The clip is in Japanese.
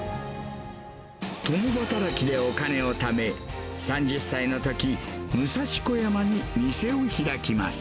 共働きでお金をため、３０歳のとき、武蔵小山に店を開きます。